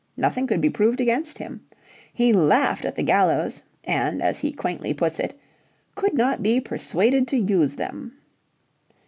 Nothing could be proved against him. He laughed at the gallows, and as he quaintly puts it "could not be persuaded to use them."